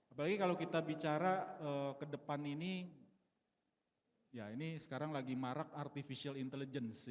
apalagi kalau kita bicara ke depan ini ya ini sekarang lagi marak artificial intelligence